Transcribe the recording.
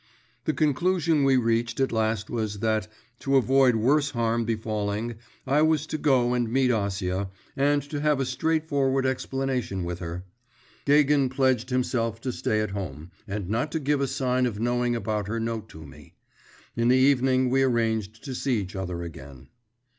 The conclusion we reached at last was that, to avoid worse harm befalling, I was to go and meet Acia, and to have a straightforward explanation with her; Gagin pledged himself to stay at home, and not to give a sign of knowing about her note to me; in the evening we arranged to see each other again.